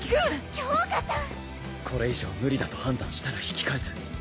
響香ちゃん！これ以上無理だと判断したら引き返す。